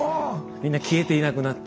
みんな消えていなくなって。